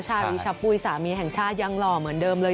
ชารีชะปุ๋ยสามีแห่งชาติยังหล่อเหมือนเดิมเลย